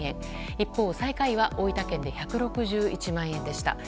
一方、最下位は大分県で１６１万円でした。